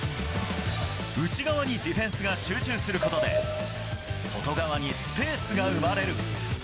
内側にディフェンスが集中することで、外側にスペースが生まれる。